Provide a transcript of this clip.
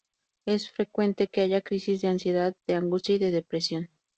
Es frecuente que haya crisis de ansiedad, de angustia y de depresión.